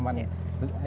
satwa dan tanaman